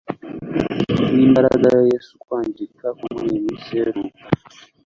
nimbaraga ya Yesu ukwangirika ko muri iyi minsi iheruka